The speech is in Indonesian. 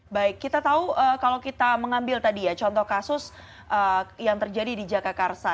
baik kita tahu kalau kita mengambil tadi ya contoh kasus yang terjadi di jakarta